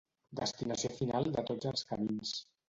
Destinació final de tots els camins.